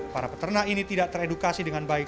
para peternak ini tidak teredukasi dengan baik